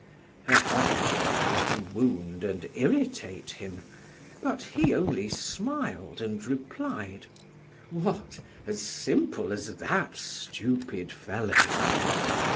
Her object was to wound and irritate him, but he only smiled and replied: "What! as simple as that stupid fellow?"